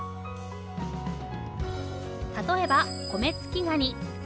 例えばコメツキガニ。